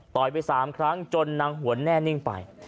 ไป๓ครั้งจนนางหวนแน่นิ่งไป